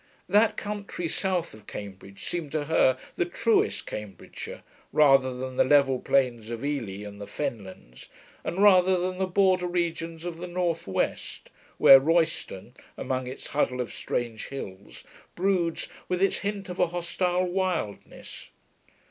That country south of Cambridge seemed to her the truest Cambridgeshire, rather than the level plains of Ely and the fenlands, and rather than the border regions of the north west, where Royston, among its huddle of strange hills, broods with its hint of a hostile wildness.